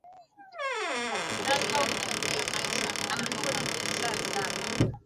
ng'ombe wa aina za kiasili kama vile Zebu na Boran hawaathiriwi sana